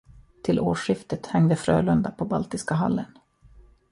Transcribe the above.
Till årsskiftet hängde Frölunda på Baltiska hallen.